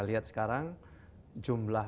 lihat sekarang jumlah